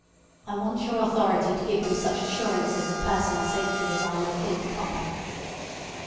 I want your authority to give him such assurances of personal safety as I may think proper."